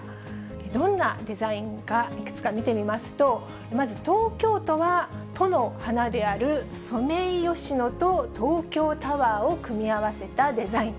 どんなデザインか、いくつか見てみますと、まず東京都は都の花であるソメイヨシノと東京タワーを組み合わせたデザイン。